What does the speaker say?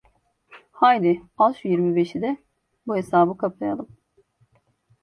Haydi, al şu yirmi beşi de, bu hesabı kapayalım…